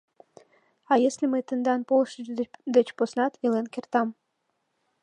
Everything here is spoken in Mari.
— А если мый тендан полыш деч поснат илен кертам?